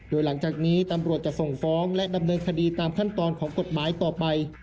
โดยหลังจากนี้ตำรวจจะส่งฟ้องและดำเนินคดีตามขั้นตอนของกฎหมายต่อไป